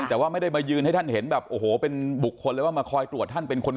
แต่ว่าไม่ได้มายืนให้ท่านเห็นแบบโอ้โหเป็นบุคคลเลยว่ามาคอยตรวจท่านเป็นคน